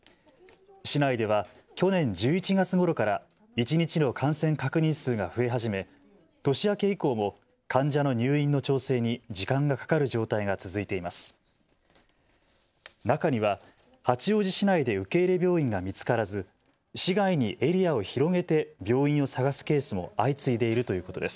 市内では去年１１月ごろから一日の感染確認数が増え始め年明け以降も患者の入院の調整に時間がかかる状態が続いています。